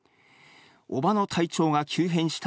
叔母の体調が急変した